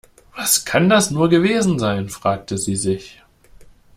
Was kann das nur gewesen sein, fragte sie sich.